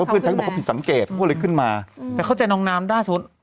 เพื่อนชายเขาผิดสังเกตเขาก็เลยขึ้นมาแต่เขาจะนองนามด้าทุน